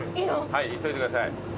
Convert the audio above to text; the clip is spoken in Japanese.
はい急いでください。